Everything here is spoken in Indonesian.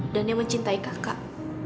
dan yang mencintai kakak